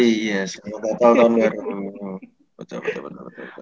iya selamat natal tahun baru